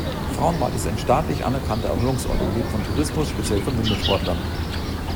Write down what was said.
Frauenwald ist ein staatlich anerkannter Erholungsort und lebt vom Tourismus, speziell von Wintersportlern.